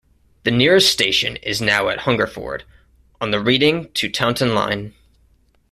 The nearest station is now at Hungerford on the Reading to Taunton line.